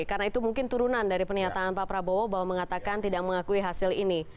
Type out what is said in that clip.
karena itu mungkin turunan dari pernyataan pak prabowo bahwa mengatakan tidak mengakui hasil ini